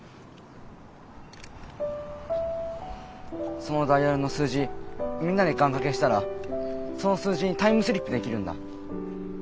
そのダイヤルの数字みんなで願かけしたらその数字にタイムスリップできるんだ。